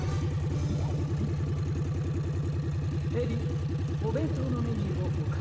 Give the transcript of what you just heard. レディーおべんとうのメニューをおかりできますか？